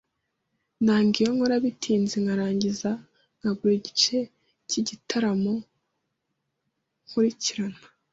Nanga iyo nkora bitinze nkarangiza nkabura igice cyigitaramo nkurikirana.